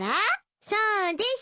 そうです。